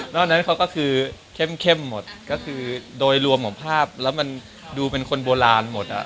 ตอนนั้นเขาก็คือเข้มหมดก็คือโดยรวมของภาพแล้วมันดูเป็นคนโบราณหมดอ่ะ